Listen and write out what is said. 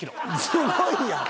すごいやん！